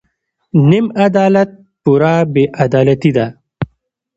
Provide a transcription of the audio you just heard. نیم عدالت پوره بې عدالتي ده.